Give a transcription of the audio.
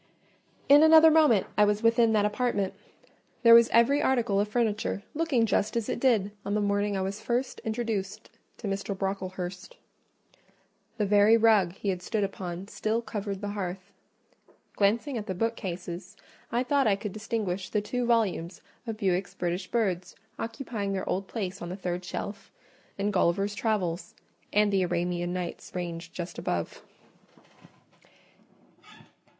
In another moment I was within that apartment. There was every article of furniture looking just as it did on the morning I was first introduced to Mr. Brocklehurst: the very rug he had stood upon still covered the hearth. Glancing at the bookcases, I thought I could distinguish the two volumes of Bewick's British Birds occupying their old place on the third shelf, and Gulliver's Travels and the Arabian Nights ranged just above.